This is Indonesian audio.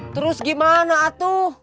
terus gimana atuh